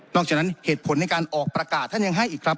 จากนั้นเหตุผลในการออกประกาศท่านยังให้อีกครับ